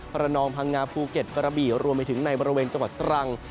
ระนองพังงาภูเก็ตกระบี่รวมไปถึงในบริเวณจังหวัดตรัง